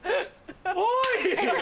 おい！